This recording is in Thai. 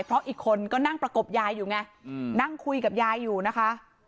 เพราะอีกคนก็นั่งประกบยายอยู่ไงนั่งคุยกับยายอยู่นะคะ